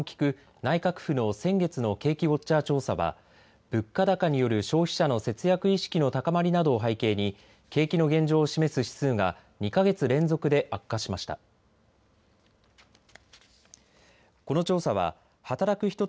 内閣府の先月の景気ウォッチャー調査は物価高による消費者の節約意識の高まりなどを背景に景気の現状を示す指数が２か月連続で悪化しました。